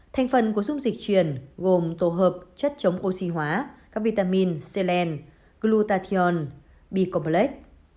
thành phần của dung dịch truyền gồm tổ hợp chất chống oxy hóa các vitamin selen glutathione bicomplex